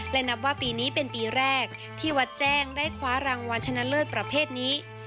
และนับว่าปีนี้เป็นปีแรกที่วัดแจ้งได้คว้ารางวัลชนะเลิศประเภทนี้